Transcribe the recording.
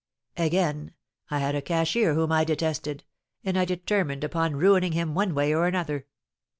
"Again. I had a cashier whom I detested, and I determined upon ruining him one way or other.